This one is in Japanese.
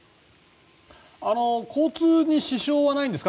交通に支障はないんですか？